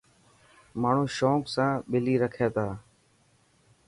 ماڻهو شونڪ سان ٻلي رکيا تا.